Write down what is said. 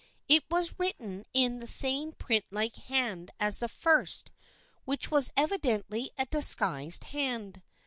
It was written in the same print like hand as the first, which was evidently a disguised hand.